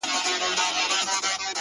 چي په هر يوه هنر کي را ايسار دی’